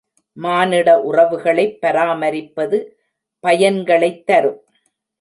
மானிட உறவுகளைப் பராமரிப்பது பயன்களைத் தரும்.